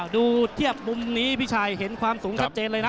ดูเทียบมุมนี้พี่ชายเห็นความสูงชัดเจนเลยนะ